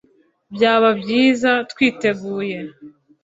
Byaba byiza twiteguye